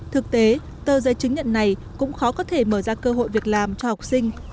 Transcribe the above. thực tế tờ giấy chứng nhận này cũng khó có thể mở ra cơ hội việc làm cho học sinh